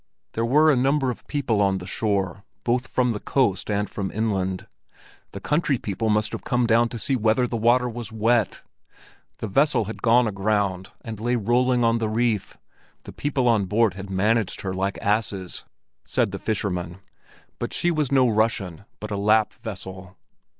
There were a number of people on the shore, both from the coast and from inland. The country people must have come down to see whether the water was wet! The vessel had gone aground and lay rolling on the reef; the people on board had managed her like asses, said the fishermen, but she was no Russian, but a Lap vessel.